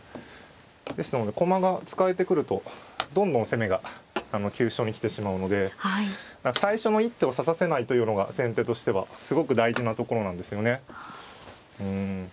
ですので駒が使えてくるとどんどん攻めが急所に来てしまうので最初の一手を指させないというのが先手としてはすごく大事なところなんですよね。